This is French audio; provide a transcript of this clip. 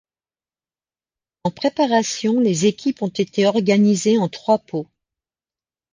En préparation, les équipes ont été organisées en trois pots.